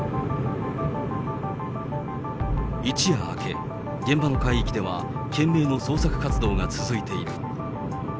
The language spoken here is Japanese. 一夜明け、現場の海域では懸命の捜索活動が続いている。